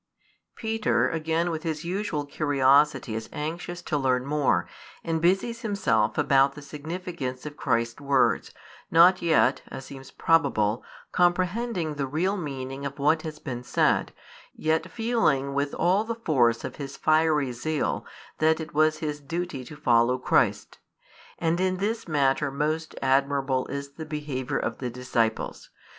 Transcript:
Peter again with his usual curiosity is anxious to learn more, and busies himself about the significance of Christ's words, not yet (as seems probable) comprehending the real meaning of what had been said, yet feeling with all the force of his fiery zeal that it was his duty to follow Christ. And in this matter most admirable is the behaviour of the disciples.